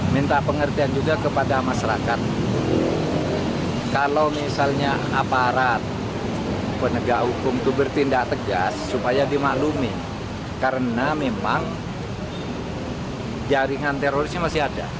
minta pengertian juga kepada masyarakat kalau misalnya aparat penegak hukum itu bertindak tegas supaya dimaklumi karena memang jaringan terorisnya masih ada